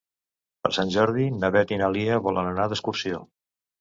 Per Sant Jordi na Beth i na Lia volen anar d'excursió.